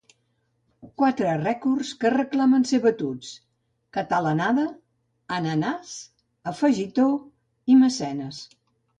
Quatre rècords que reclamen ser batuts: catalanada, ananàs, afegitó i mecenes.